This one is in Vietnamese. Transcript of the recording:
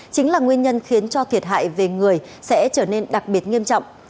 chính là nguyên nhân khiến cho thiệt hại về người sẽ trở nên đặc biệt nghiêm trọng